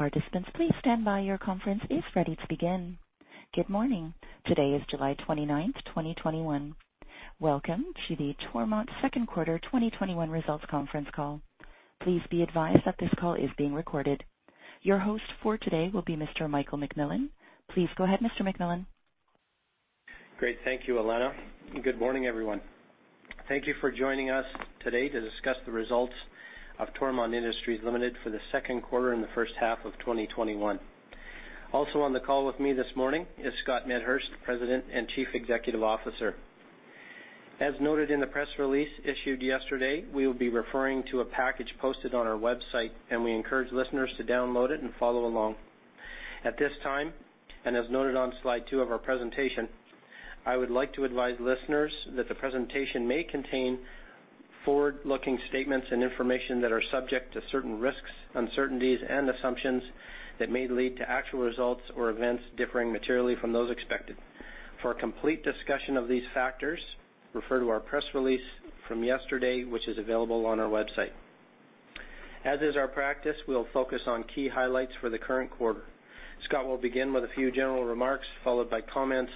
Good morning. Today is July 29th, 2021. Welcome to the Toromont second quarter 2021 results conference call. Please be advised that this call is being recorded. Your host for today will be Mr. Michael McMillan. Please go ahead, Mr. McMillan. Great. Thank you, Elena. Good morning, everyone. Thank you for joining us today to discuss the results of Toromont Industries Limited for the second quarter and the first half of 2021. Also on the call with me this morning is Scott Medhurst, President and Chief Executive Officer. As noted in the press release issued yesterday, we will be referring to a package posted on our website. We encourage listeners to download it and follow along. At this time, as noted on slide two of our presentation, I would like to advise listeners that the presentation may contain forward-looking statements and information that are subject to certain risks, uncertainties, and assumptions that may lead to actual results or events differing materially from those expected. For a complete discussion of these factors, refer to our press release from yesterday, which is available on our website. As is our practice, we'll focus on key highlights for the current quarter. Scott will begin with a few general remarks, followed by comments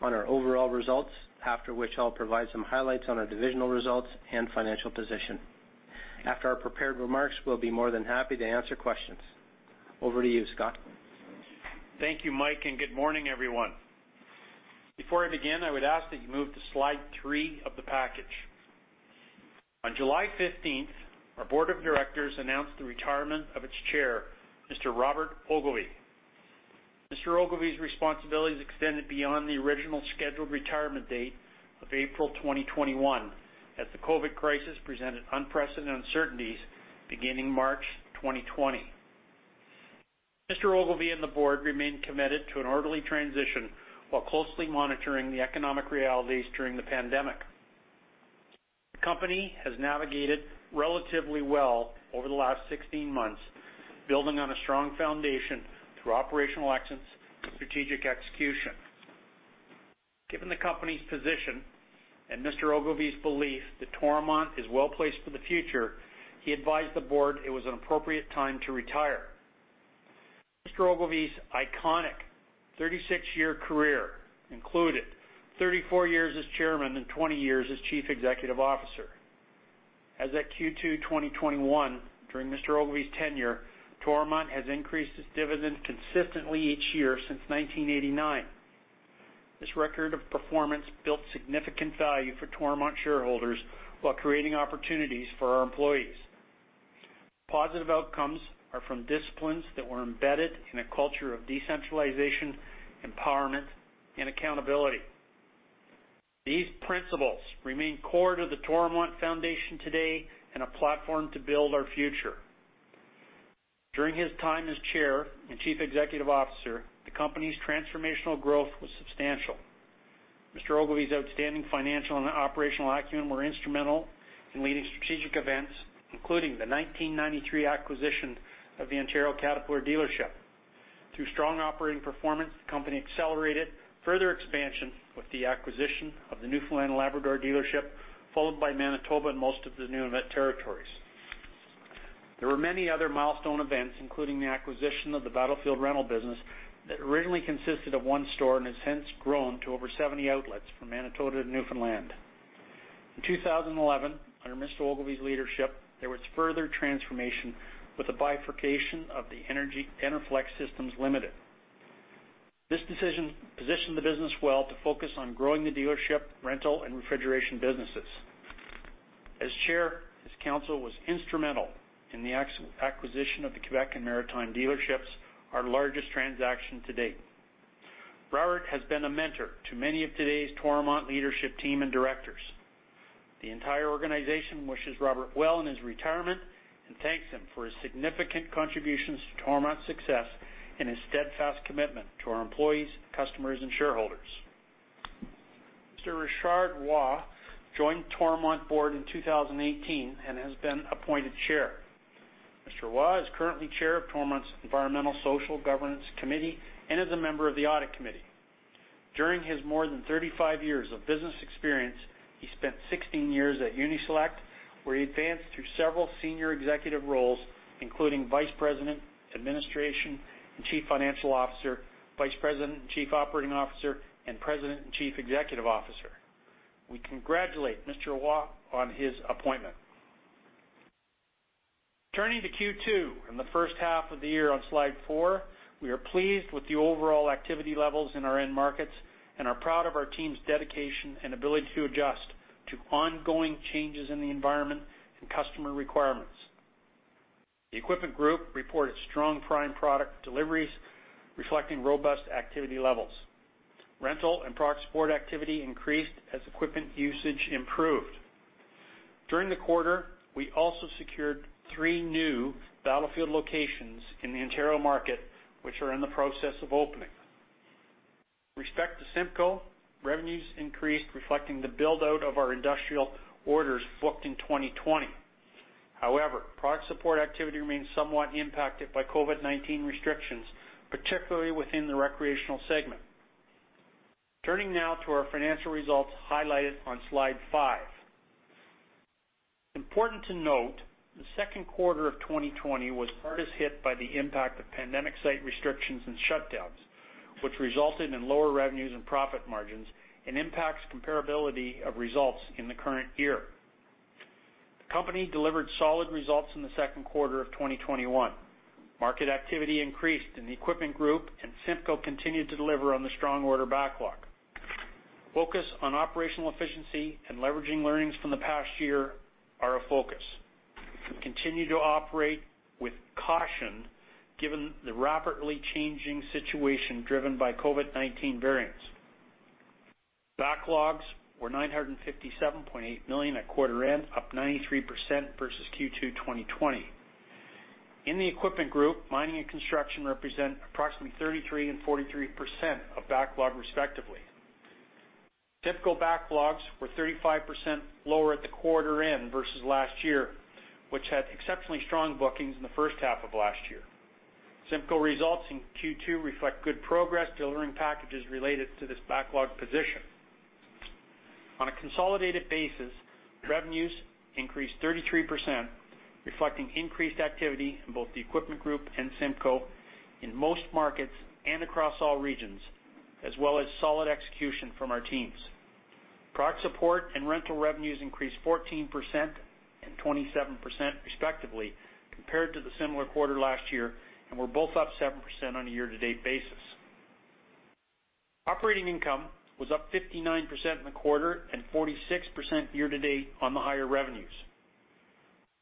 on our overall results, after which I'll provide some highlights on our divisional results and financial position. After our prepared remarks, we'll be more than happy to answer questions. Over to you, Scott. Thank you, Mike. Good morning, everyone. Before I begin, I would ask that you move to slide three of the package. On July 15th, our Board of Directors announced the retirement of its Chair, Mr. Robert Ogilvie. Mr. Ogilvie's responsibilities extended beyond the original scheduled retirement date of April 2021, as the COVID crisis presented unprecedented uncertainties beginning March 2020. Mr. Ogilvie and the Board remain committed to an orderly transition while closely monitoring the economic realities during the pandemic. The company has navigated relatively well over the last 16 months, building on a strong foundation through operational excellence and strategic execution. Given the company's position and Mr. Ogilvie's belief that Toromont is well placed for the future, he advised the Board it was an appropriate time to retire. Mr. Ogilvie's iconic 36-year career included 34 years as Chairman and 20 years as Chief Executive Officer. As at Q2 2021, during Mr. Ogilvie's tenure, Toromont has increased its dividend consistently each year since 1989. This record of performance built significant value for Toromont shareholders while creating opportunities for our employees. Positive outcomes are from disciplines that were embedded in a culture of decentralization, empowerment, and accountability. These principles remain core to the Toromont foundation today and a platform to build our future. During his time as Chair and Chief Executive Officer, the company's transformational growth was substantial. Mr. Ogilvie's outstanding financial and operational acumen were instrumental in leading strategic events, including the 1993 acquisition of the Ontario Caterpillar dealership. Through strong operating performance, the company accelerated further expansion with the acquisition of the Newfoundland Labrador dealership, followed by Manitoba and most of the Nunavut territories. There were many other milestone events, including the acquisition of the Battlefield Equipment Rentals business that originally consisted of one store and has since grown to over 70 outlets from Manitoba to Newfoundland. In 2011, under Mr. Ogilvie's leadership, there was further transformation with the bifurcation of the Enerflex Ltd. This decision positioned the business well to focus on growing the dealership rental and refrigeration businesses. As Chair, his council was instrumental in the acquisition of the Quebec and Maritime dealerships, our largest transaction to date. Robert has been a mentor to many of today's Toromont leadership team and directors. The entire organization wishes Robert well in his retirement and thanks him for his significant contributions to Toromont's success and his steadfast commitment to our employees, customers, and shareholders. Mr. Richard Roy joined Toromont Board in 2018 and has been appointed Chair. Mr. Roy is currently Chair of Toromont's Environmental, Social and Governance Committee and is a member of the Audit Committee. During his more than 35 years of business experience, he spent 16 years at Uni-Select, where he advanced through several senior executive roles, including Vice President, Administration and Chief Financial Officer, Vice President and Chief Operating Officer, and President and Chief Executive Officer. We congratulate Mr. Roy on his appointment. Turning to Q2 in the first half of the year on slide four, we are pleased with the overall activity levels in our end markets and are proud of our team's dedication and ability to adjust to ongoing changes in the environment and customer requirements. The Equipment Group reported strong prime product deliveries reflecting robust activity levels. Rental and product support activity increased as equipment usage improved. During the quarter, we also secured three new Battlefield locations in the Ontario market, which are in the process of opening. With respect to CIMCO, revenues increased, reflecting the build-out of our industrial orders booked in 2020. Product support activity remains somewhat impacted by COVID-19 restrictions, particularly within the recreational segment. Turning now to our financial results highlighted on slide five. Important to note, the second quarter of 2020 was hardest hit by the impact of pandemic site restrictions and shutdowns, which resulted in lower revenues and profit margins and impacts comparability of results in the current year. The company delivered solid results in the second quarter of 2021. Market activity increased in the Equipment Group, and CIMCO continued to deliver on the strong order backlog. Focus on operational efficiency and leveraging learnings from the past year are a focus. We continue to operate with caution given the rapidly changing situation driven by COVID-19 variants. Backlogs were 957.8 million at quarter end, up 93% versus Q2 2020. In the Equipment Group, mining and construction represent approximately 33% and 43% of backlog respectively. CIMCO backlogs were 35% lower at the quarter end versus last year, which had exceptionally strong bookings in the first half of last year. CIMCO results in Q2 reflect good progress delivering packages related to this backlog position. On a consolidated basis, revenues increased 33%, reflecting increased activity in both the Equipment Group and CIMCO in most markets and across all regions, as well as solid execution from our teams. Product support and rental revenues increased 14% and 27% respectively compared to the similar quarter last year and were both up 7% on a year-to-date basis. Operating income was up 59% in the quarter and 46% year to date on the higher revenues.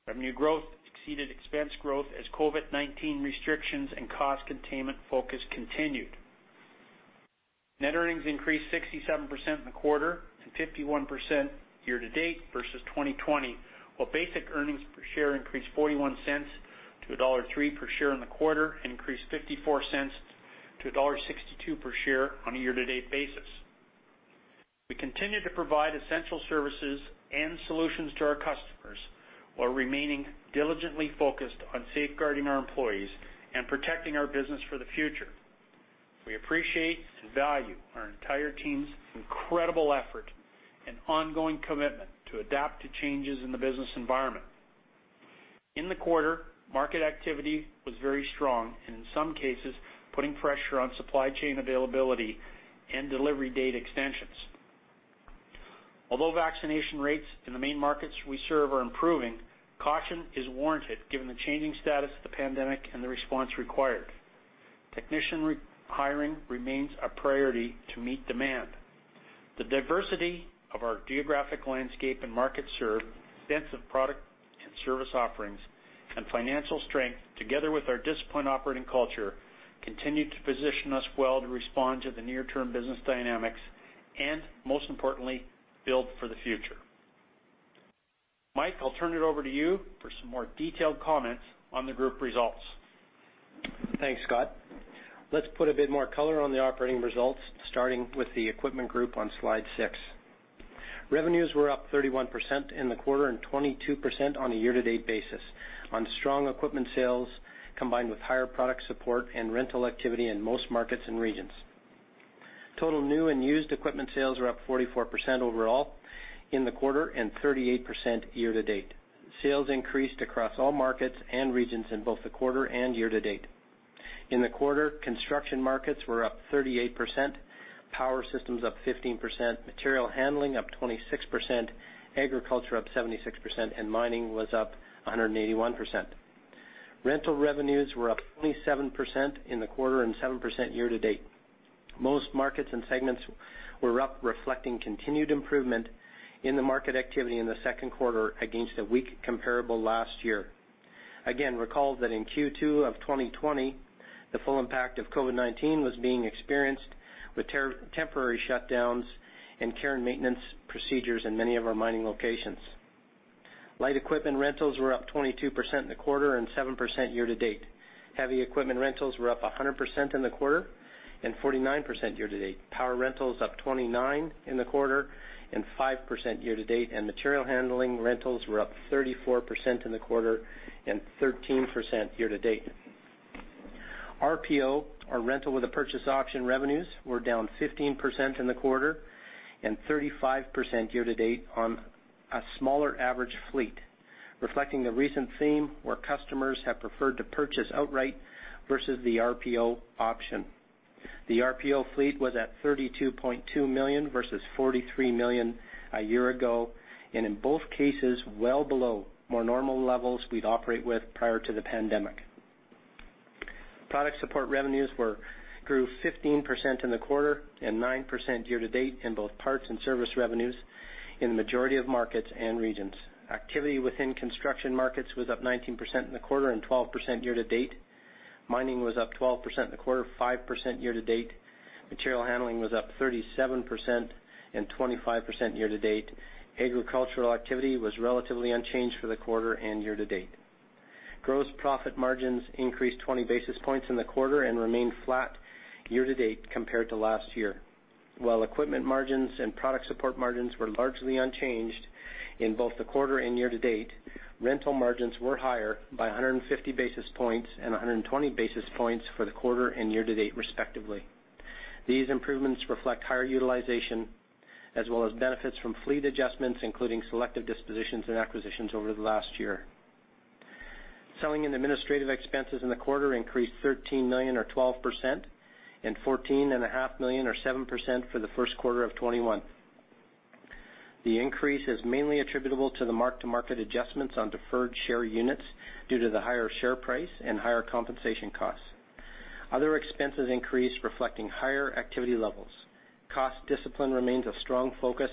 Revenue growth exceeded expense growth as COVID-19 restrictions and cost containment focus continued. Net earnings increased 67% in the quarter and 51% year to date versus 2020, while basic earnings per share increased 0.41-1.03 dollar per share in the quarter and increased 0.54-1.62 dollar per share on a year-to-date basis. We continue to provide essential services and solutions to our customers while remaining diligently focused on safeguarding our employees and protecting our business for the future. We appreciate and value our entire team's incredible effort and ongoing commitment to adapt to changes in the business environment. In the quarter, market activity was very strong and in some cases, putting pressure on supply chain availability and delivery date extensions. Although vaccination rates in the main markets we serve are improving, caution is warranted given the changing status of the pandemic and the response required. Technician hiring remains a priority to meet demand. The diversity of our geographic landscape and markets served, extensive product and service offerings, and financial strength, together with our disciplined operating culture, continue to position us well to respond to the near-term business dynamics and, most importantly, build for the future. Mike, I'll turn it over to you for some more detailed comments on the group results. Thanks, Scott. Let's put a bit more color on the operating results, starting with the Equipment Group on slide 6. Revenues were up 31% in the quarter and 22% on a year-to-date basis on strong equipment sales, combined with higher product support and rental activity in most markets and regions. Total new and used equipment sales were up 44% overall in the quarter and 38% year-to-date. Sales increased across all markets and regions in both the quarter and year-to-date. In the quarter, construction markets were up 38%, Power Systems up 15%, material handling up 26%, agriculture up 76%, and mining was up 181%. Rental revenues were up 27% in the quarter and 7% year-to-date. Most markets and segments were up, reflecting continued improvement in the market activity in the second quarter against a weak comparable last year. Again, recall that in Q2 2020, the full impact of COVID-19 was being experienced with temporary shutdowns and care and maintenance procedures in many of our mining locations. Light equipment rentals were up 22% in the quarter and 7% year to date. Heavy equipment rentals were up 100% in the quarter and 49% year to date. Power rentals up 29% in the quarter and 5% year to date, and material handling rentals were up 34% in the quarter and 13% year to date. RPO or rental with a purchase option revenues were down 15% in the quarter and 35% year to date on a smaller average fleet, reflecting the recent theme where customers have preferred to purchase outright versus the RPO option. The RPO fleet was at 32.2 million versus 43 million a year ago, in both cases, well below more normal levels we'd operate with prior to the pandemic. Product support revenues grew 15% in the quarter and 9% year-to-date in both parts and service revenues in the majority of markets and regions. Activity within construction markets was up 19% in the quarter and 12% year-to-date. Mining was up 12% in the quarter, 5% year-to-date. Material handling was up 37% and 25% year-to-date. Agricultural activity was relatively unchanged for the quarter and year-to-date. Gross profit margins increased 20 basis points in the quarter and remained flat year-to-date compared to last year. While equipment margins and product support margins were largely unchanged in both the quarter and year to date, rental margins were higher by 150 basis points and 120 basis points for the quarter and year to date, respectively. These improvements reflect higher utilization as well as benefits from fleet adjustments, including selective dispositions and acquisitions over the last year. Selling and administrative expenses in the quarter increased 13 million or 12%, and 14.5 million or 7% for the first quarter of 2021. The increase is mainly attributable to the mark-to-market adjustments on deferred share units due to the higher share price and higher compensation costs. Other expenses increased, reflecting higher activity levels. Cost discipline remains a strong focus.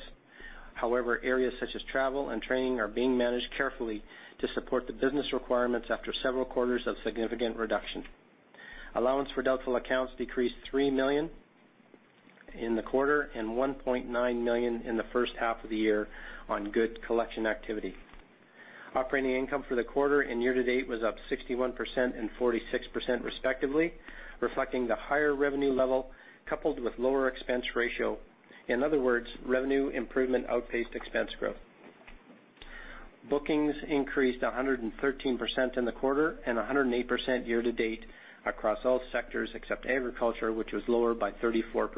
Areas such as travel and training are being managed carefully to support the business requirements after several quarters of significant reduction. Allowance for doubtful accounts decreased 3 million in the quarter and 1.9 million in the first half of the year on good collection activity. Operating income for the quarter and year to date was up 61% and 46% respectively, reflecting the higher revenue level coupled with lower expense ratio. In other words, revenue improvement outpaced expense growth. Bookings increased 113% in the quarter and 108% year to date across all sectors except agriculture, which was lower by 34%.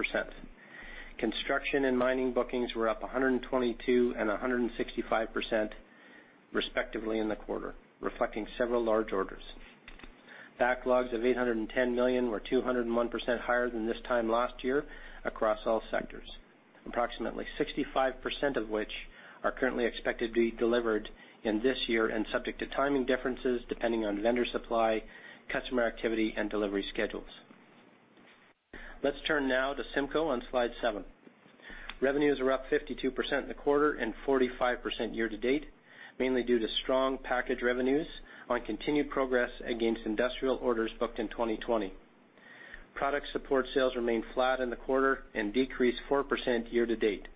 Construction and mining bookings were up 122% and 165% respectively in the quarter, reflecting several large orders. Backlogs of 810 million were 201% higher than this time last year across all sectors. Approximately 65% of which are currently expected to be delivered in this year and subject to timing differences depending on vendor supply, customer activity, and delivery schedules. Let's turn now to CIMCO on slide seven. Revenues are up 52% in the quarter and 45% year to date, mainly due to strong package revenues on continued progress against industrial orders booked in 2020. Product support sales remained flat in the quarter and decreased 4% year to date,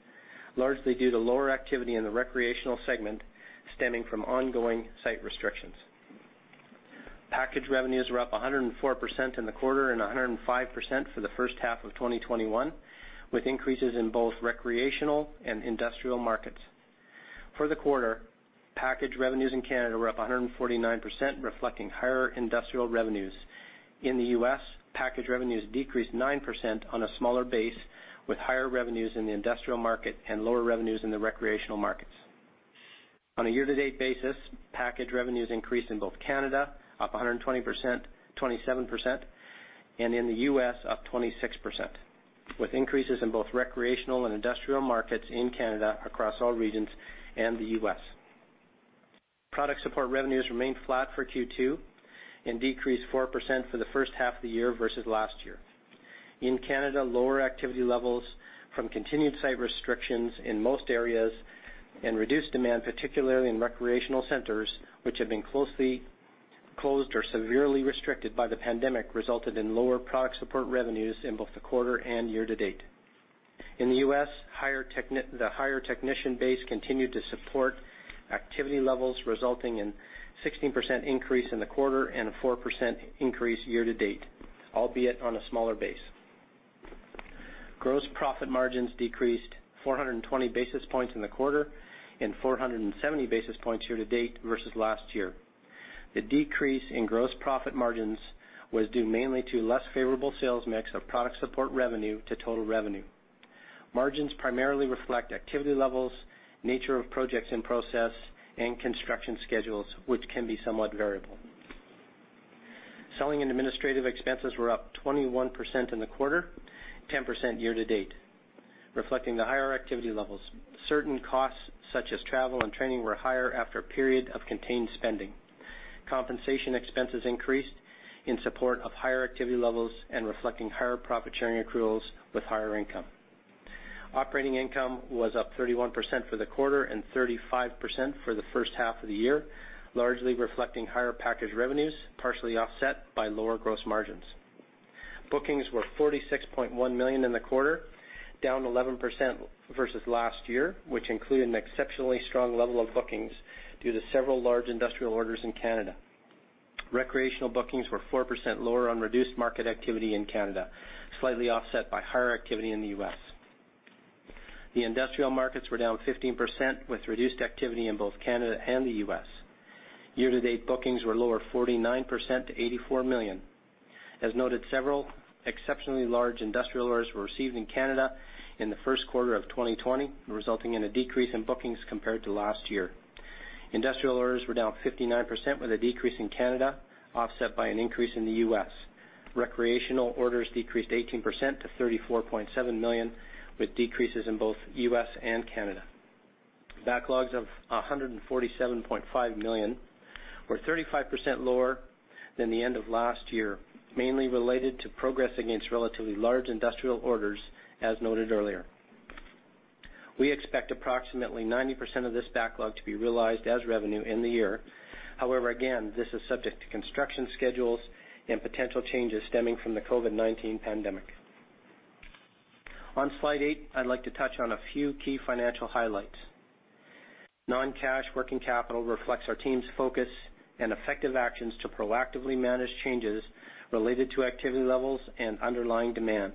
largely due to lower activity in the recreational segment stemming from ongoing site restrictions. Package revenues were up 104% in the quarter and 105% for the first half of 2021, with increases in both recreational and industrial markets. For the quarter, package revenues in Canada were up 149%, reflecting higher industrial revenues. In the U.S., package revenues decreased 9% on a smaller base, with higher revenues in the industrial market and lower revenues in the recreational markets. On a year to date basis, package revenues increased in both Canada, up 127%, and in the U.S. up 26%, with increases in both recreational and industrial markets in Canada across all regions and the U.S. Product support revenues remained flat for Q2 and decreased 4% for the first half of the year versus last year. In Canada, lower activity levels from continued site restrictions in most areas and reduced demand, particularly in recreational centers, which have been closed or severely restricted by the pandemic, resulted in lower product support revenues in both the quarter and year to date. In the U.S., the higher technician base continued to support activity levels, resulting in 16% increase in the quarter and a 4% increase year to date, albeit on a smaller base. Gross profit margins decreased 420 basis points in the quarter and 470 basis points year to date versus last year. The decrease in gross profit margins was due mainly to less favorable sales mix of product support revenue to total revenue. Margins primarily reflect activity levels, nature of projects in process, and construction schedules, which can be somewhat variable. Selling and administrative expenses were up 21% in the quarter, 10% year to date, reflecting the higher activity levels. Certain costs such as travel and training were higher after a period of contained spending. Compensation expenses increased in support of higher activity levels and reflecting higher profit sharing accruals with higher income. Operating income was up 31% for the quarter and 35% for the first half of the year, largely reflecting higher package revenues, partially offset by lower gross margins. Bookings were 46.1 million in the quarter, down 11% versus last year, which include an exceptionally strong level of bookings due to several large industrial orders in Canada. Recreational bookings were 4% lower on reduced market activity in Canada, slightly offset by higher activity in the U.S. The industrial markets were down 15%, with reduced activity in both Canada and the U.S. Year to date bookings were lower 49% to 84 million. As noted, several exceptionally large industrial orders were received in Canada in the first quarter of 2020, resulting in a decrease in bookings compared to last year. Industrial orders were down 59% with a decrease in Canada, offset by an increase in the U.S. Recreational orders decreased 18% to 34.7 million, with decreases in both U.S. and Canada. Backlogs of 147.5 million were 35% lower than the end of last year, mainly related to progress against relatively large industrial orders as noted earlier. We expect approximately 90% of this backlog to be realized as revenue in the year. However, again, this is subject to construction schedules and potential changes stemming from the COVID-19 pandemic. On slide eight, I'd like to touch on a few key financial highlights. Non-cash working capital reflects our team's focus and effective actions to proactively manage changes related to activity levels and underlying demand.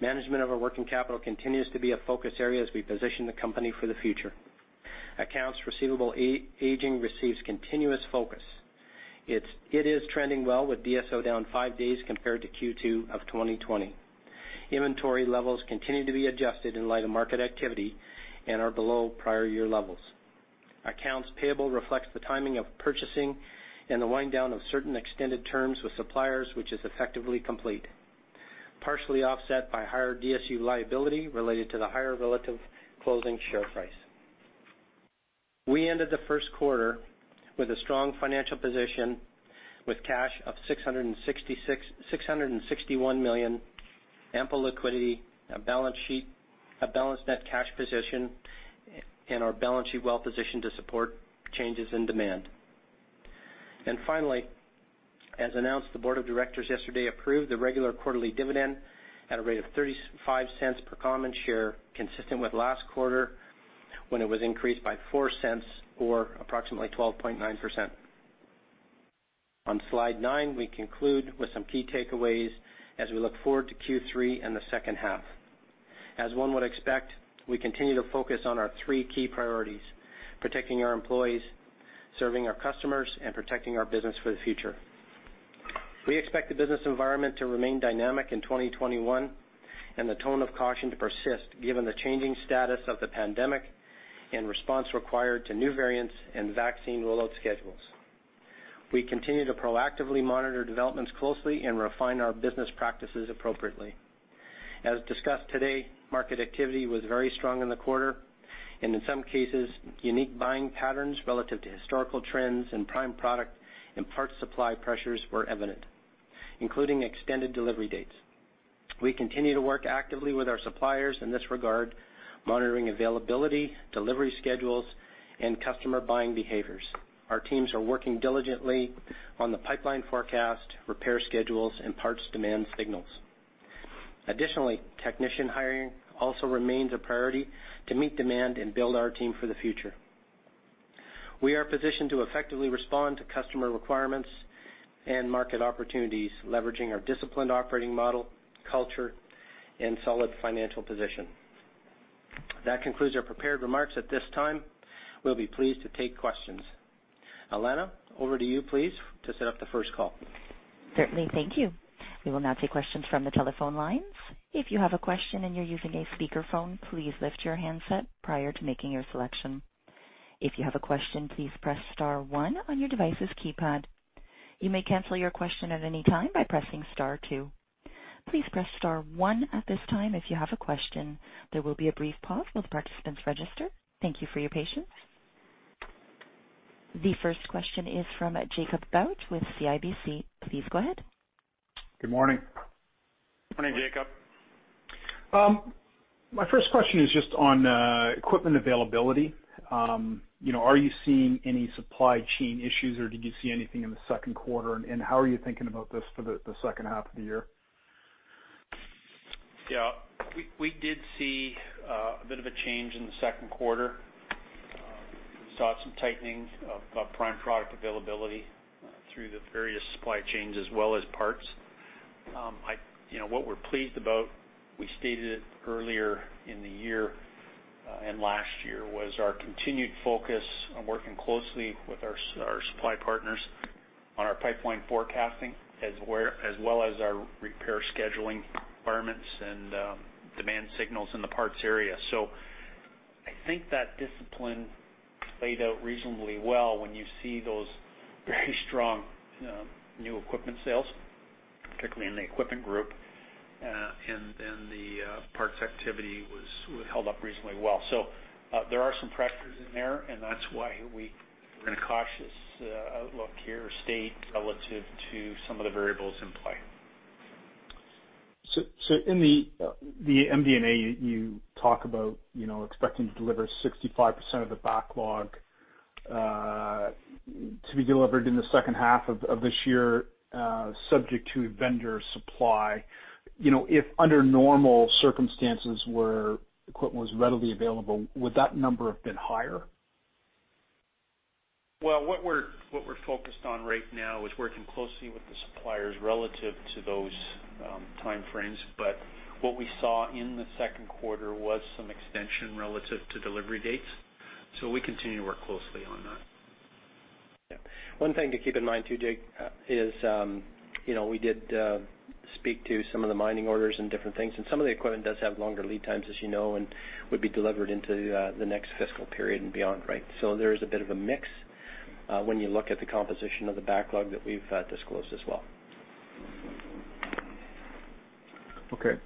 Management of our working capital continues to be a focus area as we position the company for the future. Accounts receivable aging receives continuous focus. It is trending well with DSO down five days compared to Q2 2020. Inventory levels continue to be adjusted in light of market activity and are below prior year levels. Accounts payable reflects the timing of purchasing and the wind-down of certain extended terms with suppliers, which is effectively complete, partially offset by higher DSU liability related to the higher relative closing share price. We ended the first quarter with a strong financial position with cash of 661 million, ample liquidity, a balanced net cash position, and our balance sheet well-positioned to support changes in demand. Finally, as announced, the Board of Directors yesterday approved the regular quarterly dividend at a rate of 0.35 per common share, consistent with last quarter, when it was increased by 0.04 or approximately 12.9%. On slide nine, we conclude with some key takeaways as we look forward to Q3 and the second half. As one would expect, we continue to focus on our three key priorities: protecting our employees, serving our customers, and protecting our business for the future. We expect the business environment to remain dynamic in 2021 and the tone of caution to persist given the changing status of the pandemic and response required to new variants and vaccine rollout schedules. We continue to proactively monitor developments closely and refine our business practices appropriately. As discussed today, market activity was very strong in the quarter, and in some cases, unique buying patterns relative to historical trends and prime product and parts supply pressures were evident, including extended delivery dates. We continue to work actively with our suppliers in this regard, monitoring availability, delivery schedules, and customer buying behaviors. Our teams are working diligently on the pipeline forecast, repair schedules, and parts demand signals. Additionally, technician hiring also remains a priority to meet demand and build our team for the future. We are positioned to effectively respond to customer requirements and market opportunities, leveraging our disciplined operating model, culture, and solid financial position. That concludes our prepared remarks. At this time, we will be pleased to take questions. Elena, over to you, please, to set up the first call. Certainly. Thank you. We will now take questions from the telephone lines. If you have a question and you're using a speakerphone, please lift your handset prior to making your selection. If you have a question, please press star one on your device's keypad. You may cancel your question at any time by pressing star two. Please press star one at this time if you have a question. There will be a brief pause while the participants register. Thank you for your patience. The first question is from Jacob Bout with CIBC. Please go ahead. Good morning. Morning, Jacob. My first question is just on equipment availability. Are you seeing any supply chain issues, or did you see anything in the second quarter, and how are you thinking about this for the second half of the year? Yeah. We did see a bit of a change in the second quarter. We saw some tightening of prime product availability through the various supply chains as well as parts. What we're pleased about, we stated it earlier in the year and last year, was our continued focus on working closely with our supply partners on our pipeline forecasting, as well as our repair scheduling requirements and demand signals in the parts area. I think that discipline played out reasonably well when you see those very strong new equipment sales, particularly in the Equipment Group, and then the parts activity held up reasonably well. There are some pressures in there, and that's why we're in a cautious outlook here state relative to some of the variables in play. In the MD&A, you talk about expecting to deliver 65% of the backlog to be delivered in the second half of this year, subject to vendor supply. If under normal circumstances where equipment was readily available, would that number have been higher? What we're focused on right now is working closely with the suppliers relative to those time frames. What we saw in the second quarter was some extension relative to delivery dates. We continue to work closely on that. Yeah. One thing to keep in mind too, Jake, is we did speak to some of the mining orders and different things, and some of the equipment does have longer lead times, as you know, and would be delivered into the next fiscal period and beyond, right? There is a bit of a mix when you look at the composition of the backlog that we've disclosed as well. Okay.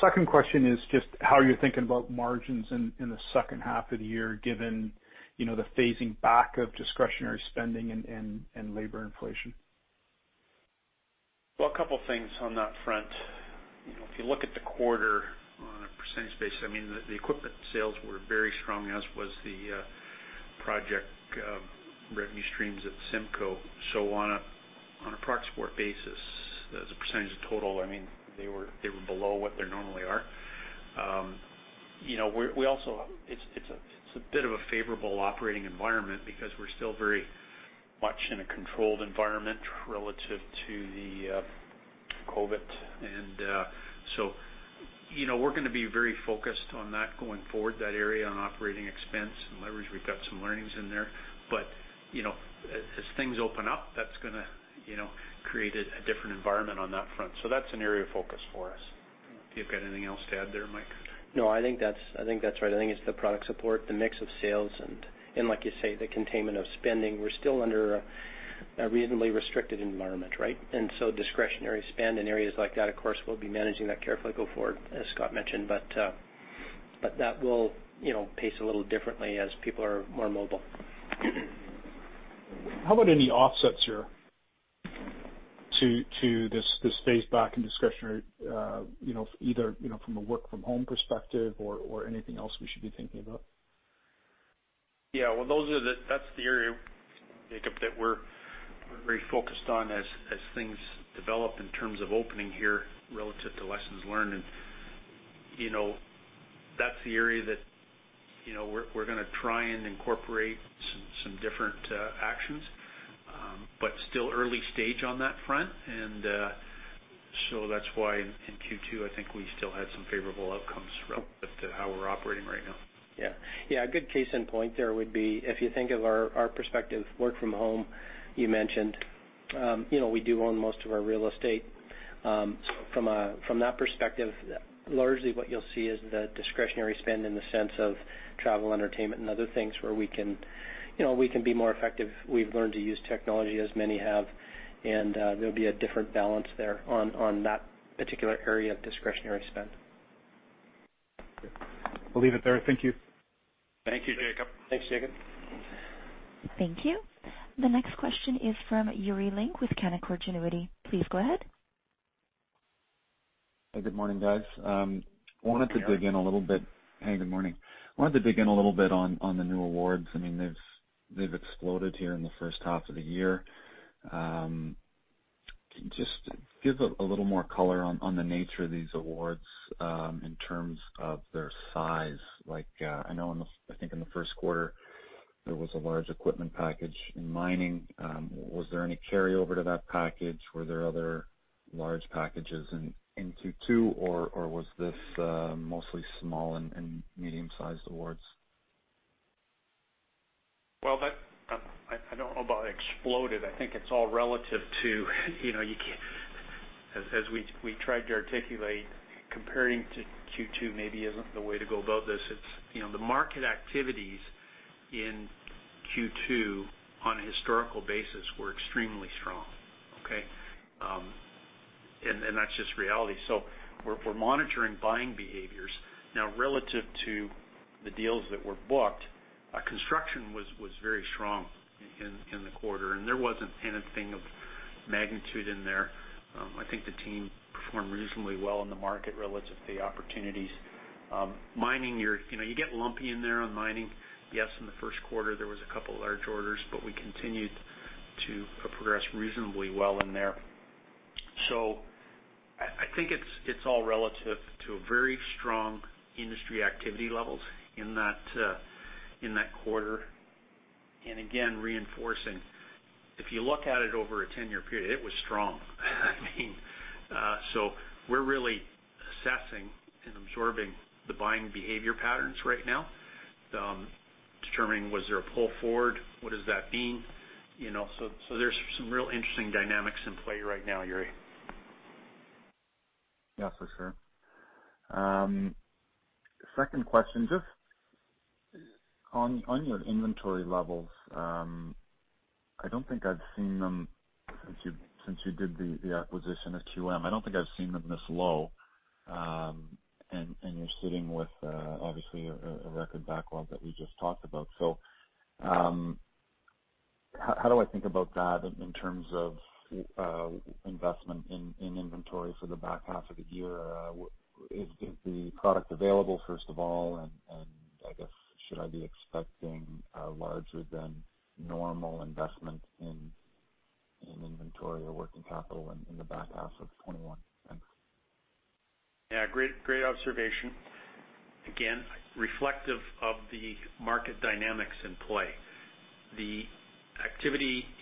Second question is just how you're thinking about margins in the second half of the year, given the phasing back of discretionary spending and labor inflation. Well, a couple of things on that front. If you look at the quarter on a percentage basis, the equipment sales were very strong, as was the project revenue streams at CIMCO. On a pro forma basis, as a percentage of total, they were below what they normally are. It's a bit of a favorable operating environment because we're still very much in a controlled environment relative to the. COVID. We're going to be very focused on that going forward, that area on operating expense and leverage. We've got some learnings in there, but as things open up, that's going to create a different environment on that front. That's an area of focus for us. Do you have got anything else to add there, Mike? No, I think that's right. I think it's the product support, the mix of sales, like you say, the containment of spending. We're still under a reasonably restricted environment, right? Discretionary spend in areas like that, of course, we'll be managing that carefully go forward, as Scott mentioned. That will pace a little differently as people are more mobile. How about any offsets here to this phase back in discretionary, either from a work from home perspective or anything else we should be thinking about? Well, that's the area, Jacob, that we're very focused on as things develop in terms of opening here relative to lessons learned. That's the area that we're going to try and incorporate some different actions. Still early stage on that front. That's why in Q2, I think we still had some favorable outcomes relative to how we're operating right now. Yeah. A good case in point there would be, if you think of our perspective, work from home, you mentioned. We do own most of our real estate. From that perspective, largely what you'll see is the discretionary spend in the sense of travel, entertainment, and other things where we can be more effective. We've learned to use technology, as many have, and there'll be a different balance there on that particular area of discretionary spend. Okay. We'll leave it there. Thank you. Thank you, Jacob. Thanks, Jacob. Thank you. The next question is from Yuri Lynk with Canaccord Genuity. Please go ahead. Hey, good morning, guys. Good morning. Hey, good morning. Wanted to dig in a little bit on the new awards. They've exploded here in the first half of the year. Can you just give a little more color on the nature of these awards, in terms of their size? I know, I think in the first quarter, there was a large equipment package in mining. Was there any carryover to that package? Were there other large packages in Q2, or was this mostly small and medium sized awards? Well, I don't know about exploded. I think it's all relative to, as we tried to articulate, comparing to Q2 maybe isn't the way to go about this. The market activities in Q2 on a historical basis were extremely strong, okay? That's just reality. We're monitoring buying behaviors. Now relative to the deals that were booked, construction was very strong in the quarter, there wasn't anything of magnitude in there. I think the team performed reasonably well in the market relative to the opportunities. Mining, you get lumpy in there on mining. Yes, in the first quarter, there was a couple large orders, but we continued to progress reasonably well in there. I think it's all relative to very strong industry activity levels in that quarter. Again, reinforcing, if you look at it over a 10-year period, it was strong. We're really assessing and absorbing the buying behavior patterns right now, determining was there a pull forward? What does that mean? There's some real interesting dynamics in play right now, Yuri. Yeah, for sure. Second question, just on your inventory levels, I don't think I've seen them since you did the acquisition of QM. I don't think I've seen them this low, and you're sitting with, obviously, a record backlog that we just talked about. How do I think about that in terms of investment in inventory for the back half of the year? Is the product available, first of all, and I guess, should I be expecting a larger than normal investment in inventory or working capital in the back half of 2021? Thanks. Yeah, great observation. Reflective of the market dynamics in play. The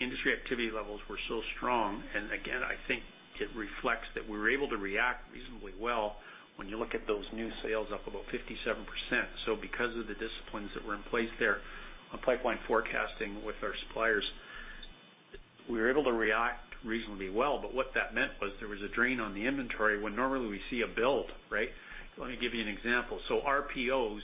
industry activity levels were so strong, and again, I think it reflects that we were able to react reasonably well when you look at those new sales up about 57%. Because of the disciplines that were in place there on pipeline forecasting with our suppliers, we were able to react reasonably well. What that meant was there was a drain on the inventory when normally we see a build, right? Let me give you an example. RPOs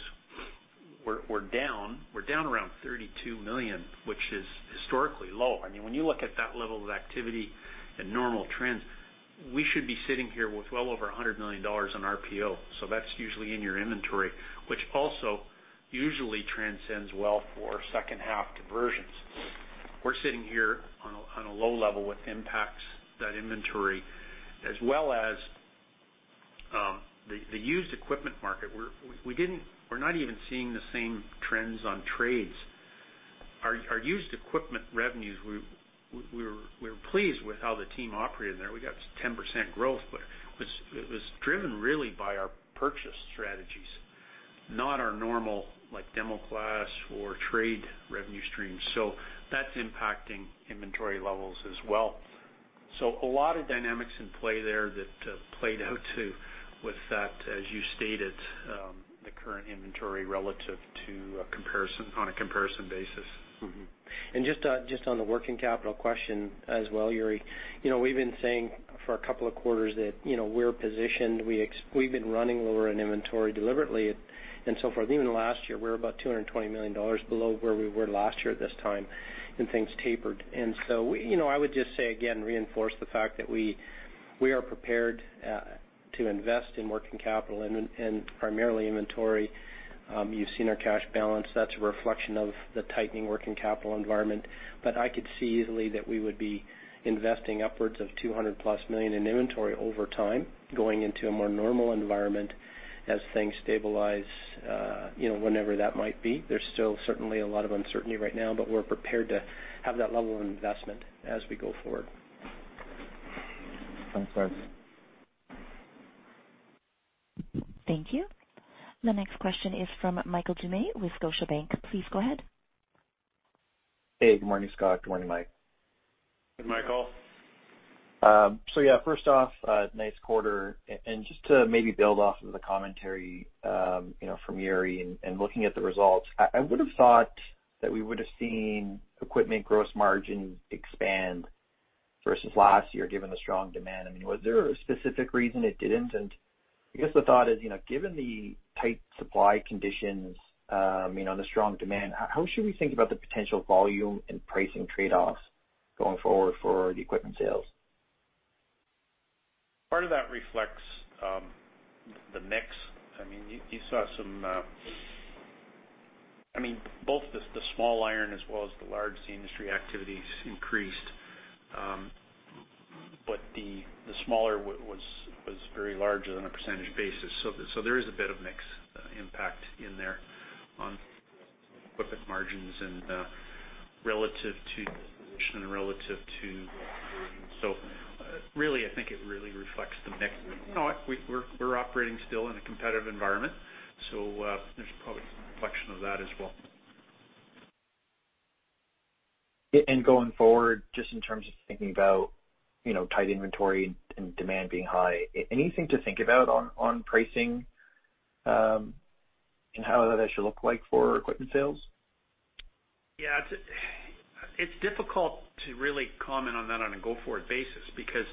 were down. We're down around 32 million, which is historically low. When you look at that level of activity and normal trends, we should be sitting here with well over 100 million dollars on RPO. That's usually in your inventory, which also usually transcends well for second half conversions. We're sitting here on a low level, what impacts that inventory, as well as the used equipment market. We're not even seeing the same trends on trades. Our used equipment revenues, we were pleased with how the team operated there. We got 10% growth, but it was driven really by our purchase strategies. Not our normal demo class or trade revenue streams. That's impacting inventory levels as well. A lot of dynamics in play there that played out too, with that, as you stated, the current inventory relative to on a comparison basis. Just on the working capital question as well, Yuri. We've been saying for a couple of quarters that we're positioned, we've been running lower on inventory deliberately and so forth. Even last year, we're about 220 million dollars below where we were last year at this time, and things tapered. I would just say again, reinforce the fact that we are prepared to invest in working capital and primarily inventory. You've seen our cash balance. That's a reflection of the tightening working capital environment. I could see easily that we would be investing upwards of 200+ million in inventory over time, going into a more normal environment as things stabilize, whenever that might be. There's still certainly a lot of uncertainty right now, but we're prepared to have that level of investment as we go forward. Thanks, guys. Thank you. The next question is from Michael Doumet with Scotiabank. Please go ahead. Hey, good morning, Scott. Good morning, Mike. Good morning, Michael. Yeah, first off, nice quarter. Just to maybe build off of the commentary from Yuri and looking at the results, I would've thought that we would've seen equipment gross margin expand versus last year, given the strong demand. Was there a specific reason it didn't? I guess the thought is, given the tight supply conditions, and the strong demand, how should we think about the potential volume and pricing trade-offs going forward for the equipment sales? Part of that reflects the mix. Both the small iron as well as the large industry activities increased. The smaller was very large on a percentage basis. There is a bit of mix impact in there on equipment margins. Really, I think it really reflects the mix. We're operating still in a competitive environment, there's probably some reflection of that as well. Going forward, just in terms of thinking about tight inventory and demand being high, anything to think about on pricing, and how that should look like for equipment sales? Yeah. It's difficult to really comment on that on a go-forward basis, because,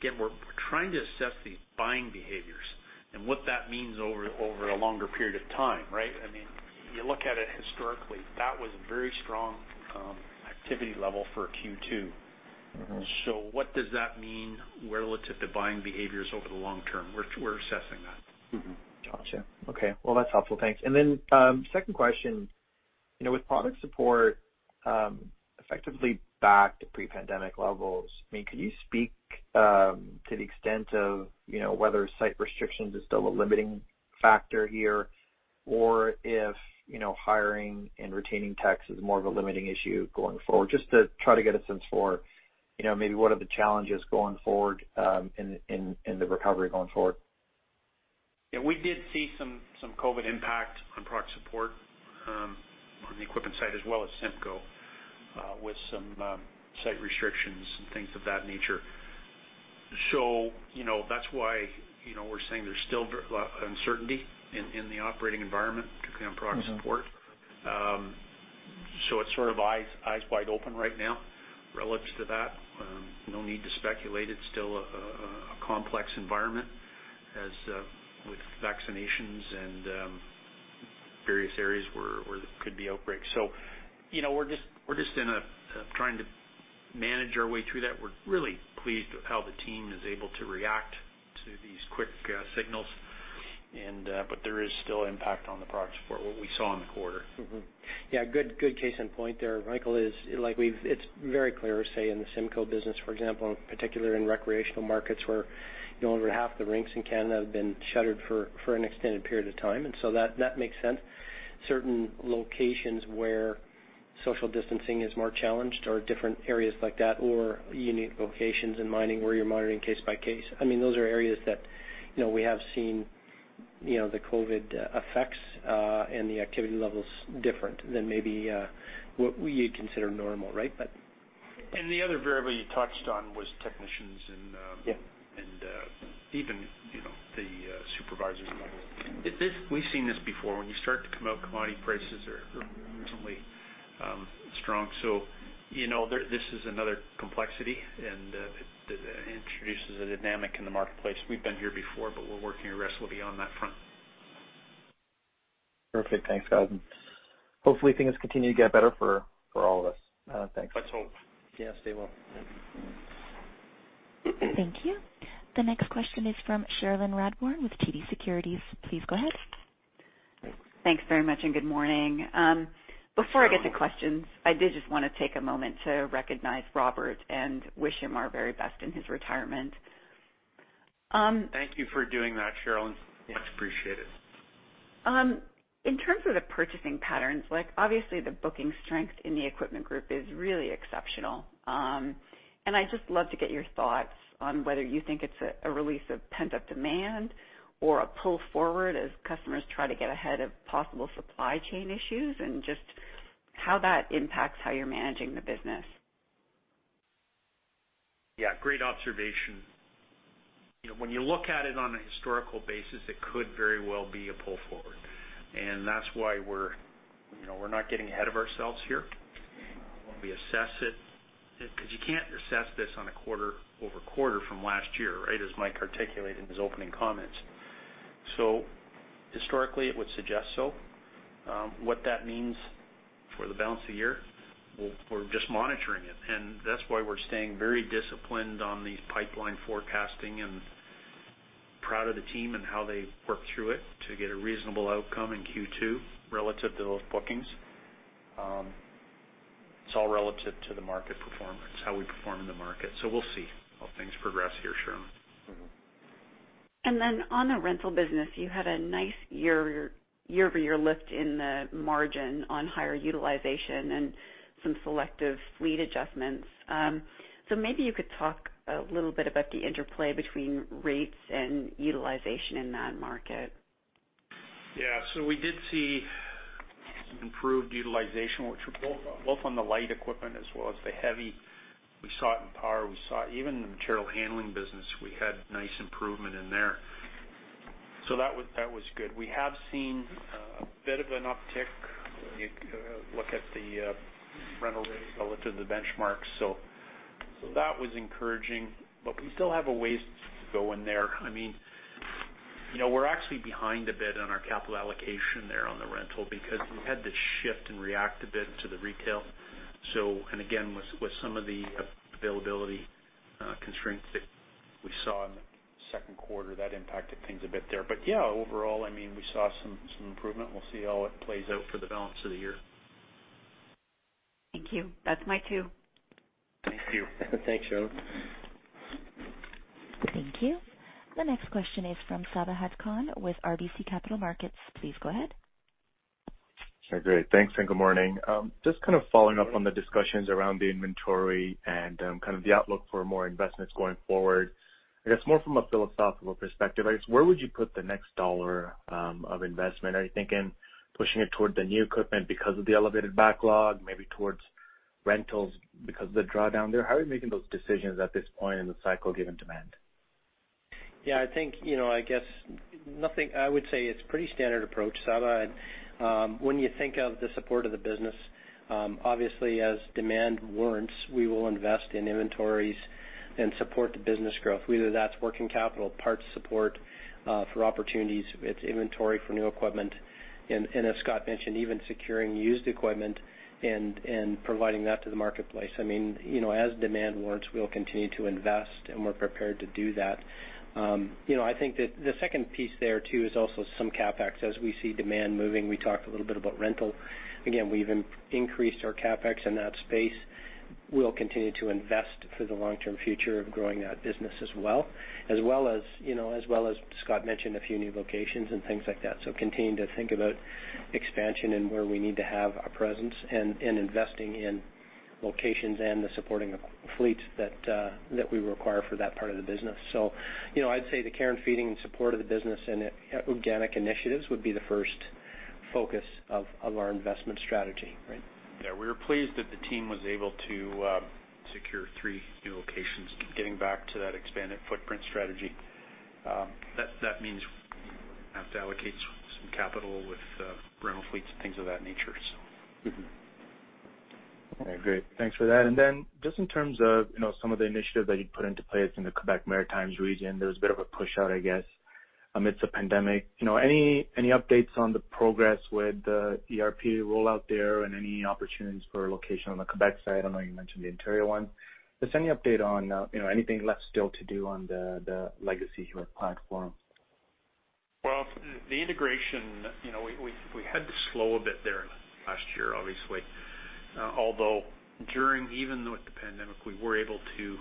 again, we're trying to assess these buying behaviors and what that means over a longer period of time, right? You look at it historically. That was a very strong activity level for a Q2. What does that mean relative to buying behaviors over the long term? We are assessing that. Gotcha. Okay. Well, that's helpful. Thanks. Second question. With product support effectively back to pre-pandemic levels, could you speak to the extent of whether site restrictions is still a limiting factor here, or if hiring and retaining techs is more of a limiting issue going forward? Just to try to get a sense for maybe what are the challenges going forward in the recovery going forward. Yeah, we did see some COVID impact on product support on the equipment side as well as CIMCO, with some site restrictions and things of that nature. That's why we're saying there's still uncertainty in the operating environment, particularly on product support. It's sort of eyes wide open right now relative to that. No need to speculate. It's still a complex environment as with vaccinations and various areas where there could be outbreaks. We're just trying to manage our way through that. We're really pleased with how the team is able to react to these quick signals. There is still impact on the product support, what we saw in the quarter. Yeah, good case in point there, Michael, is it is very clear, say, in the CIMCO business, for example, in particular in recreational markets where over half the rinks in Canada have been shuttered for an extended period of time. That makes sense. Certain locations where social distancing is more challenged or different areas like that, or unique locations in mining where you are monitoring case by case. Those are areas that we have seen the COVID effects. The activity level is different than maybe what we would consider normal, right. The other variable you touched on was technicians. Yeah. Even the supervisors level. We've seen this before. When you start to come out, commodity prices are reasonably strong. This is another complexity, and it introduces a dynamic in the marketplace. We've been here before, but we're working aggressively on that front. Perfect. Thanks, guys. Hopefully things continue to get better for all of us. Thanks. Let's hope. Yeah, stay well. Thank you. The next question is from Cherilyn Radbourne with TD Securities. Please go ahead. Thanks. Thanks very much. Good morning. Before I get to questions, I did just want to take a moment to recognize Robert and wish him our very best in his retirement. Thank you for doing that, Cherilyn. Yes. Appreciate it. In terms of the purchasing patterns, obviously the booking strength in the Equipment Group is really exceptional. I'd just love to get your thoughts on whether you think it's a release of pent-up demand or a pull forward as customers try to get ahead of possible supply chain issues, and just how that impacts how you're managing the business. Yeah, great observation. When you look at it on a historical basis, it could very well be a pull forward. That's why we're not getting ahead of ourselves here. We assess it, because you can't assess this on a quarter-over-quarter from last year, as Michael McMillan articulated in his opening comments. Historically, it would suggest so. What that means for the balance of the year, we're just monitoring it, and that's why we're staying very disciplined on the pipeline forecasting and proud of the team and how they worked through it to get a reasonable outcome in Q2 relative to those bookings. It's all relative to the market performance, how we perform in the market. We'll see how things progress here, Cherilyn. On the rental business, you had a nice YoY lift in the margin on higher utilization and some selective fleet adjustments. Maybe you could talk a little bit about the interplay between rates and utilization in that market. Yeah. We did see some improved utilization, both on the light equipment as well as the heavy. We saw it in power. We saw it even in the material handling business. We had nice improvement in there. That was good. We have seen a bit of an uptick when you look at the rental rates relative to the benchmarks. That was encouraging, but we still have a ways to go in there. We're actually behind a bit on our capital allocation there on the rental because we had to shift and react a bit to the retail. Again, with some of the availability constraints that we saw in the second quarter, that impacted things a bit there. Yeah, overall, we saw some improvement and we'll see how it plays out for the balance of the year. Thank you. That's my two. Thank you. Thanks, Cherilyn. Thank you. The next question is from Sabahat Khan with RBC Capital Markets. Please go ahead. Great. Thanks and good morning. Just following up on the discussions around the inventory and the outlook for more investments going forward, I guess more from a philosophical perspective, where would you put the next dollar of investment? Are you thinking pushing it toward the new equipment because of the elevated backlog, maybe towards rentals because of the drawdown there? How are you making those decisions at this point in the cycle given demand? Yeah, I think, I would say it's pretty standard approach, Saba. When you think of the support of the business, obviously as demand warrants, we will invest in inventories and support the business growth, whether that's working capital, parts support for opportunities, it's inventory for new equipment, and as Scott mentioned, even securing used equipment and providing that to the marketplace. As demand warrants, we'll continue to invest and we're prepared to do that. I think that the second piece there too is also some CapEx. As we see demand moving, we talked a little bit about rental. Again, we've increased our CapEx in that space. We'll continue to invest for the long-term future of growing that business as well. As well as Scott mentioned a few new locations and things like that. Continuing to think about expansion and where we need to have a presence and investing in locations and the supporting fleets that we require for that part of the business. I'd say the care and feeding and support of the business and organic initiatives would be the first focus of our investment strategy. Right? Yeah, we were pleased that the team was able to secure three new locations, getting back to that expanded footprint strategy. That means we have to allocate some capital with rental fleets and things of that nature. All right, great. Thanks for that. Just in terms of some of the initiatives that you'd put into place in the Quebec Maritimes region, there was a bit of a push out, I guess, amidst the pandemic. Any updates on the progress with the ERP rollout there and any opportunities for location on the Quebec side? I know you mentioned the Ontario one. Just any update on anything left still to do on the legacy platform? The integration, we had to slow a bit there last year, obviously. Although even with the pandemic, we were able to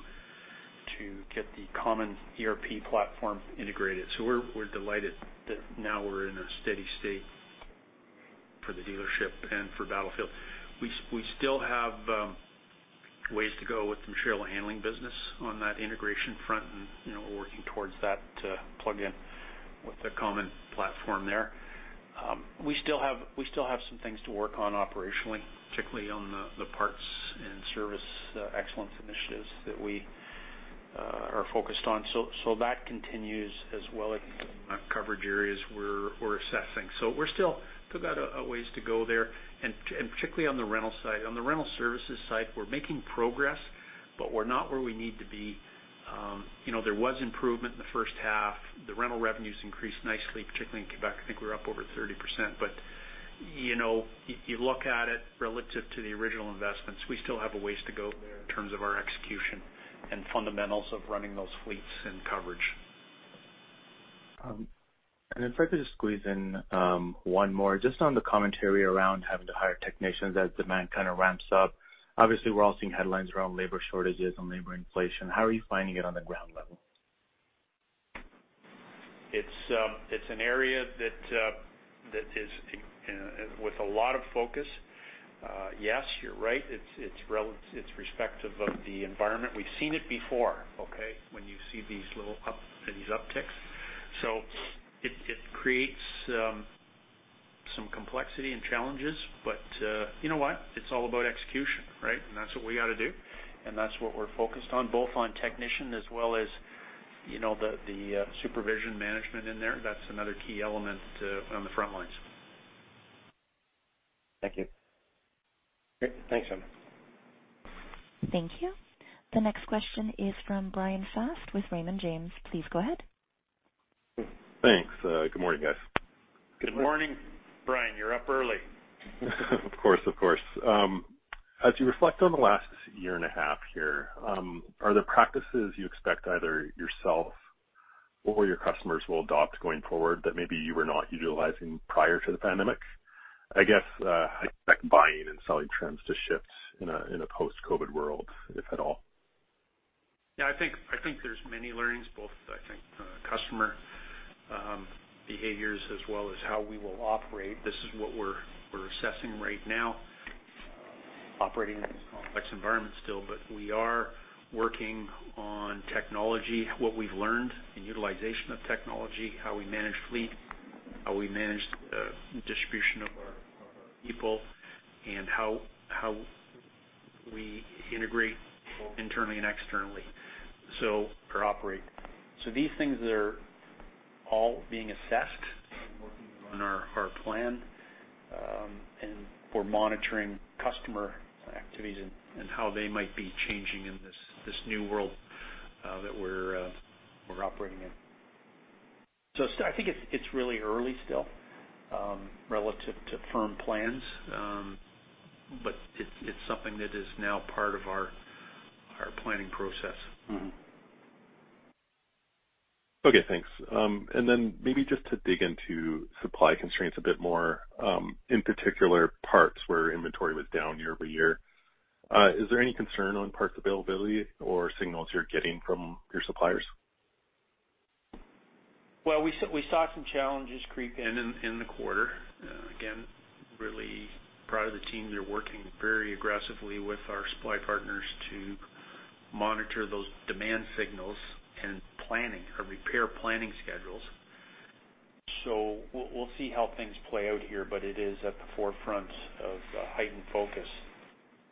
get the common ERP platform integrated. We're delighted that now we're in a steady state for the dealership and for Battlefield. We still have ways to go with the material handling business on that integration front, and we're working towards that to plug in with the common platform there. We still have some things to work on operationally, particularly on the parts and service excellence initiatives that we are focused on. That continues as well as some of the coverage areas we're assessing. We've still got a ways to go there, and particularly on the rental side. On the rental services side, we're making progress, but we're not where we need to be. There was improvement in the first half. The rental revenues increased nicely, particularly in Quebec. I think we were up over 30%. You look at it relative to the original investments, we still have a ways to go there in terms of our execution and fundamentals of running those fleets and coverage. If I could just squeeze in one more, just on the commentary around having to hire technicians as demand ramps up. Obviously, we're all seeing headlines around labor shortages and labor inflation. How are you finding it on the ground level? It's an area with a lot of focus. Yes, you're right. It's respective of the environment. We've seen it before when you see these little upticks. It creates some complexity and challenges, but you know what? It's all about execution, right? That's what we got to do, and that's what we're focused on, both on technician as well as the supervision management in there. That's another key element on the front lines. Thank you. Great. Thanks, Sabahat. Thank you. The next question is from Bryan Fast with Raymond James. Please go ahead. Thanks. Good morning, guys. Good morning, Bryan. You're up early. Of course. As you reflect on the last year and a half here, are there practices you expect either yourself or your customers will adopt going forward that maybe you were not utilizing prior to the pandemic? I guess, expect buying and selling trends to shift in a post-COVID world, if at all. Yeah, I think there's many learnings, both, I think customer behaviors as well as how we will operate. This is what we're assessing right now, operating in this complex environment still, but we are working on technology, what we've learned in utilization of technology, how we manage fleet, how we manage the distribution of our people, and how we integrate internally and externally. So for operate, these things are all being assessed and working on our plan, and we're monitoring customer activities and how they might be changing in this new world that we're operating in. I think it's really early still, relative to firm plans, but it's something that is now part of our planning process. Okay, thanks. Maybe just to dig into supply constraints a bit more, in particular parts where inventory was down YoY. Is there any concern on parts availability or signals you're getting from your suppliers? We saw some challenges creep in in the quarter. Again, really proud of the team. They're working very aggressively with our supply partners to monitor those demand signals and repair planning schedules. We'll see how things play out here, but it is at the forefront of heightened focus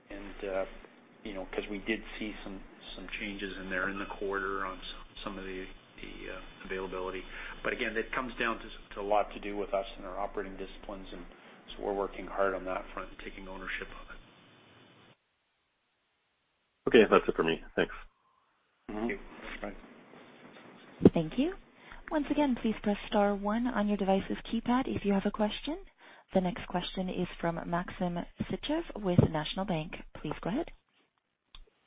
and, because we did see some changes in there in the quarter on some of the availability. Again, that comes down to a lot to do with us and our operating disciplines, and so we're working hard on that front and taking ownership of it. Okay. That's it for me. Thanks. Thank you, Bryan. Thank you. Once again, please press star one on your device's keypad if you have a question. The next question is from Maxim Sytchev with National Bank Financial. Please go ahead.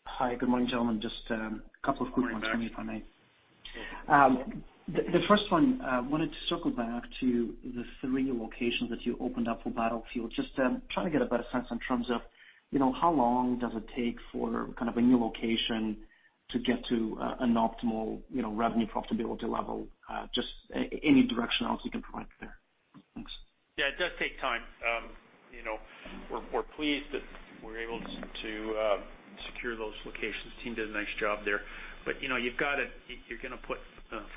Hi. Good morning, gentlemen. Just a couple of quick ones from me, if I may. Good morning, Maxim. The first one, wanted to circle back to the three locations that you opened up for Battlefield. Just trying to get a better sense in terms of how long does it take for a new location to get to an optimal revenue profitability level? Just any directionality you can provide there. Thanks. Yeah, it does take time. We're pleased that we're able to secure those locations. Team did a nice job there. You're going to put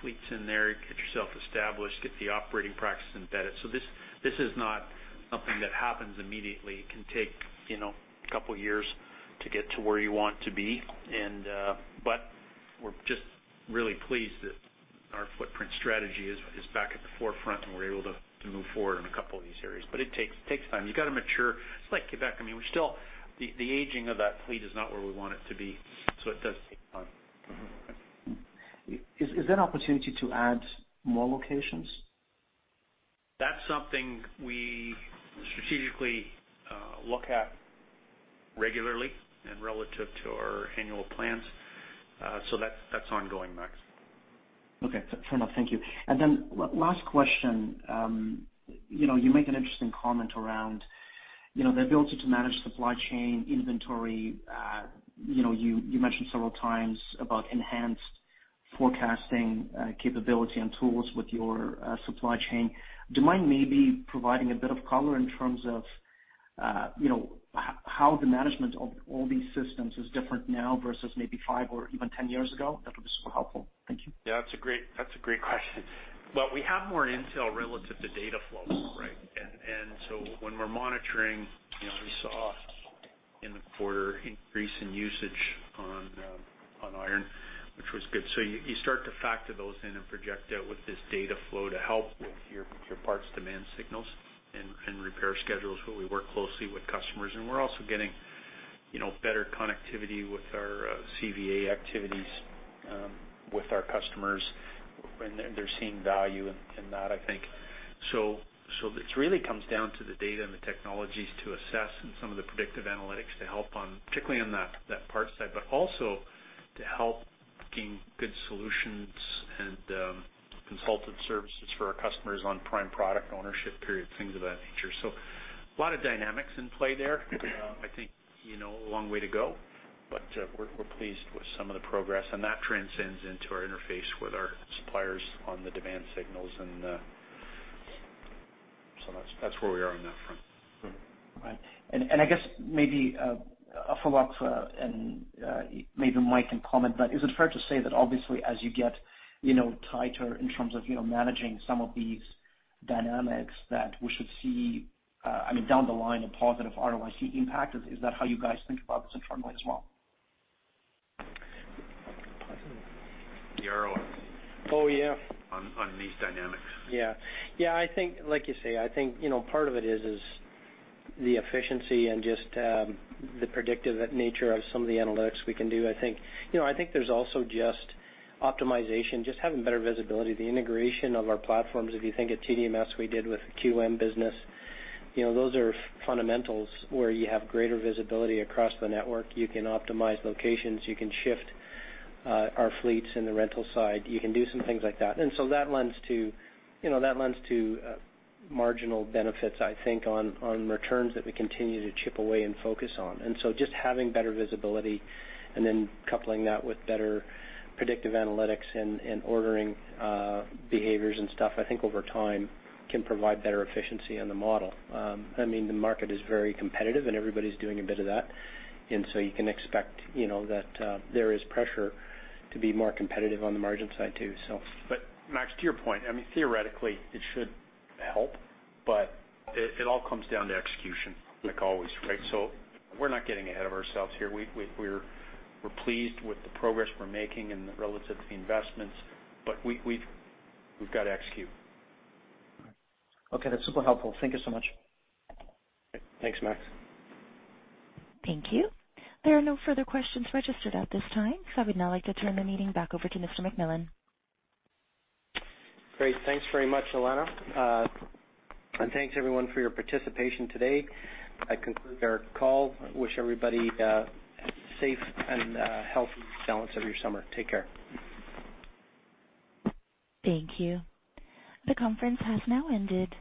fleets in there, get yourself established, get the operating practice embedded. This is not something that happens immediately. It can take two years to get to where you want to be. We're just really pleased that our footprint strategy is back at the forefront, and we're able to move forward in two of these areas. It takes time. You got to mature. It's like Quebec. I mean, the aging of that fleet is not where we want it to be. It does take time. Is there an opportunity to add more locations? That's something we strategically look at regularly and relative to our annual plans. That's ongoing, Max. Okay. Fair enough. Thank you. Last question. You make an interesting comment around the ability to manage supply chain inventory. You mentioned several times about enhanced forecasting capability and tools with your supply chain. Do you mind maybe providing a bit of color in terms of how the management of all these systems is different now versus maybe five or even 10 years ago? That would be super helpful. Thank you. Yeah, that's a great question. Well, we have more intel relative to data flow, right? When we're monitoring, we saw in the quarter increase in usage on iron, which was good. You start to factor those in and project out with this data flow to help your parts demand signals and repair schedules where we work closely with customers. We're also getting better connectivity with our CVA activities with our customers, and they're seeing value in that, I think. This really comes down to the data and the technologies to assess and some of the predictive analytics to help on, particularly on that parts side, but also to help gain good solutions and consultant services for our customers on prime product ownership period, things of that nature. A lot of dynamics in play there. I think a long way to go, but we're pleased with some of the progress, and that transcends into our interface with our suppliers on the demand signals. That's where we are on that front. Right. I guess maybe a follow-up, and maybe Mike can comment, but is it fair to say that obviously as you get tighter in terms of managing some of these dynamics, that we should see, down the line, a positive ROIC impact? Is that how you guys think about this internally as well? The ROIC? Oh, yeah. On these dynamics. Yeah. I think, like you say, I think part of it is the efficiency and just the predictive nature of some of the analytics we can do. I think there's also just optimization, just having better visibility. The integration of our platforms, if you think at TDMS, we did with the QM business. Those are fundamentals where you have greater visibility across the network. You can optimize locations, you can shift our fleets in the rental side. You can do some things like that. That lends to marginal benefits, I think, on returns that we continue to chip away and focus on. Just having better visibility and then coupling that with better predictive analytics and ordering behaviors and stuff, I think over time can provide better efficiency on the model. The market is very competitive, and everybody's doing a bit of that. You can expect that there is pressure to be more competitive on the margin side, too. Max, to your point, theoretically it should help, but it all comes down to execution, like always, right? We're not getting ahead of ourselves here. We're pleased with the progress we're making and relative to the investments, but we've got to execute. Okay. That's super helpful. Thank you so much. Thanks, Max. Thank you. There are no further questions registered at this time, so I would now like to turn the meeting back over to Mr. McMillan. Great. Thanks very much, Elena. Thanks everyone for your participation today. That concludes our call. I wish everybody a safe and healthy balance of your summer. Take care. Thank you. The conference has now ended.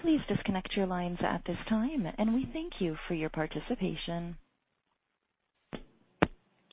Please disconnect your lines at this time, and we thank you for your participation.